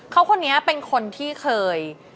เขาคนนี้เป็นคนที่เคย